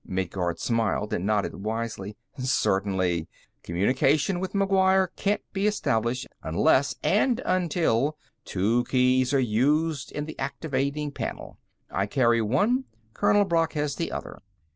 Midguard smiled and nodded wisely. "Certainly. Communication with McGuire can't be established unless and until two keys are used in the activating panel. I carry one; Colonel Brock has the other.